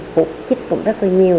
hụt chích cũng rất là nhiều